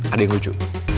ada yang lucu